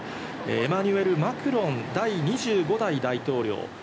エマニュエル・マクロン第２５代大統領。